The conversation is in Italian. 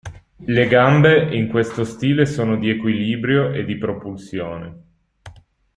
Le gambe in questo stile sono di equilibrio e di propulsione.